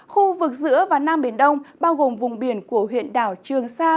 khu vực giữa và nam biển đông bao gồm vùng biển của huyện đảo trường sa